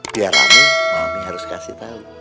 biar mami mami harus kasih tau